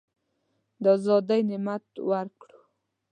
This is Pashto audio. د آزادی نعمت ورکړو.